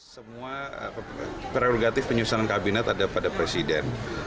semua prerogatif penyusunan kabinet ada pada presiden